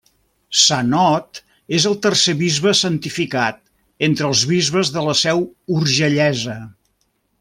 Sant Ot és el tercer bisbe santificat entre els bisbes de la seu urgellesa.